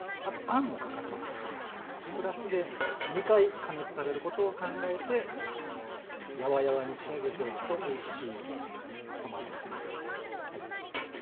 あとあんもかかりますのでプラスで２回加熱されることを考えてやわやわに仕上げておくとおいしい卵になります。